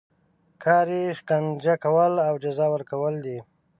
کار یې شکنجه کول او جزا ورکول دي.